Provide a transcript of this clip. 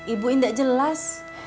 ibu ndak jelas